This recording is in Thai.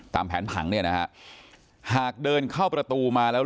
ตามแผนผังเนี่ยนะฮะหากเดินเข้าประตูมาแล้ว